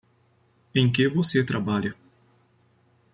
Em que você trabalha.